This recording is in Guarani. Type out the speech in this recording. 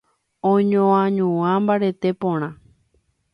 oñoañuã mbarete porã